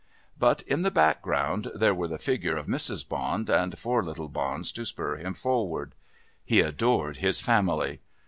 But, in the background, there were the figures of Mrs. Bond and four little Bonds to spur him forward. He adored his family.